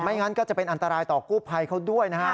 งั้นก็จะเป็นอันตรายต่อกู้ภัยเขาด้วยนะฮะ